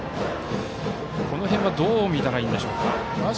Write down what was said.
この辺はどう見たらいいのでしょうか。